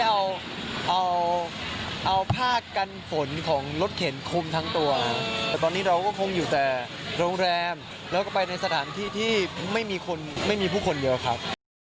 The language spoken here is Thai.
เอาเอาเอาผ้ากันฝนของรถเข็นคุมทั้งตัวแต่ตอนนี้เราก็คงอยู่แต่โรงแรมแล้วก็ไปในสถานที่ที่ไม่มีคนไม่มีผู้คนเยอะครับ